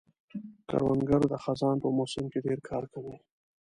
کروندګر د خزان په موسم کې ډېر کار کوي